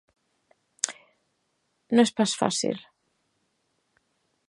No és pas fàcil.